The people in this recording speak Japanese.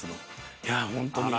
いやホントに。